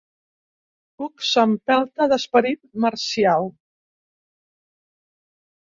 Cook s'empelta d'esperit marcial.